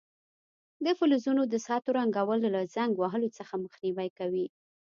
د فلزونو د سطحو رنګول له زنګ وهلو څخه مخنیوی کوي.